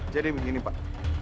jadi begini pak